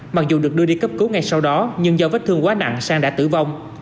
mặc dù được đưa đi cấp cứu ngay sau đó nhưng do vết thương quá nặng sang đã tử vong